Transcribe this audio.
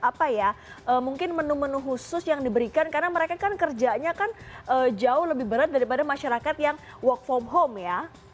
apa ya mungkin menu menu khusus yang diberikan karena mereka kan kerjanya kan jauh lebih berat daripada masyarakat yang work from home ya